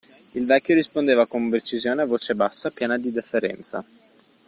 Il vecchio rispondeva con precisione, a voce bassa, piena di deferenza;